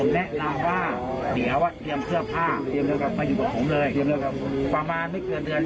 ความมากไม่เกินเดือน